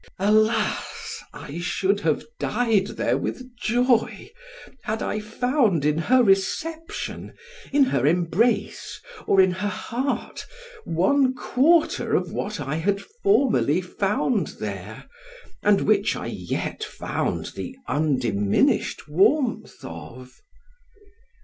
Alas! I should have died there with joy, had I found in her reception, in her embrace, or in her heart, one quarter of what I had formerly found there, and which I yet found the undiminished warmth of.